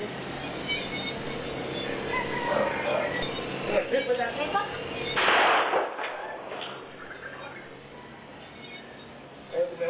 อืออโถ่เอ้ย